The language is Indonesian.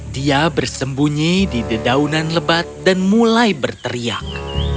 dia bersembunyi di dedaunan lebat dan mulai berteriak